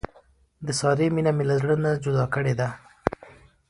د سارې مینه مې له زړه نه جدا کړې ده.